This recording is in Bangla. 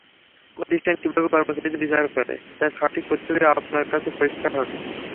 প্রতিষ্ঠান কীভাবে কর্মচারীদের বিচার করে, তার সঠিক প্রতিচ্ছবি আপনার কাছে পরিষ্কার হবে।